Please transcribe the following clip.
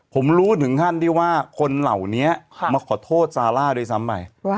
ผมรู้ถึงขั้นที่ว่าคนเหล่านี้มาขอโทษซาร่าด้วยซ้ำไป